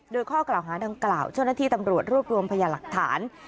โดยข้อกล่าวหาดังกล่าวเจ้าหน้าที่ตำรวจรวบรวมพยาหลักฐาน